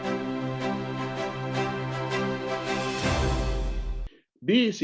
yang mimpi untuk mengembangkan aplikasi yang ini nelayan dan preferensi